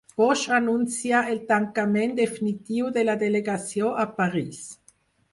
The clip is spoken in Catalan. Bosch anuncia el tancament definitiu de la delegació a París